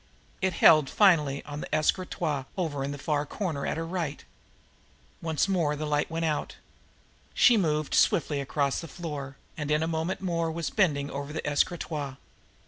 It held finally on an escritoire over in the far corner at her right. Once more the light went out. She moved swiftly across the floor, and in a moment more was bending over the escritoire.